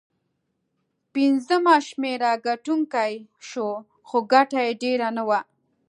پنځمه شمېره ګټونکی شو، خو ګټه یې ډېره نه وه.